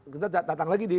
kita datang lagi di